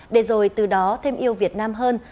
để rồi từ đó thêm yêu việt nam hơn